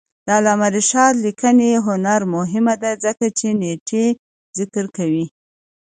د علامه رشاد لیکنی هنر مهم دی ځکه چې نېټې ذکر کوي.